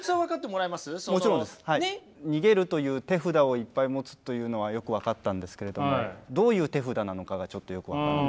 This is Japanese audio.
逃げるという手札をいっぱい持つというのはよく分かったんですけれどもどういう手札なのかがちょっとよく分からない。